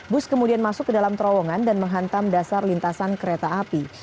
bus kemudian masuk ke dalam terowongan dan menghantam dasar lintasan kereta api